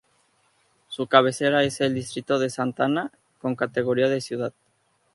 Su cabecera es el distrito de Santa Ana, con categoría de ciudad.